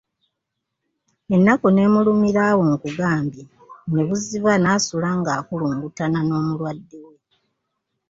Ennaku ne mulumira awo nkugambye ne buziba n’asula nga akulungutana n’omulwadde we.